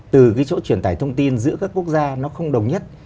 từ cái chỗ truyền tải thông tin giữa các quốc gia nó không đồng nhất